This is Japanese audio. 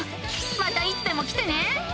またいつでも来てね。